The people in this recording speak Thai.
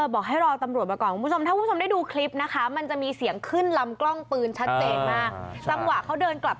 บอกให้รอตำรวจมาก่อนถ้าคุณผู้ชมได้ดูคลิปนะคะ